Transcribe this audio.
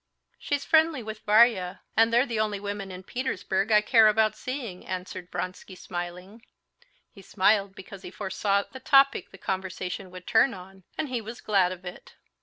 "She's friendly with Varya, and they're the only women in Petersburg I care about seeing," answered Vronsky, smiling. He smiled because he foresaw the topic the conversation would turn on, and he was glad of it.